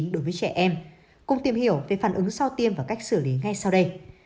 đối với trẻ em cùng tìm hiểu về phản ứng sau tiêm và cách xử lý ngay sau đây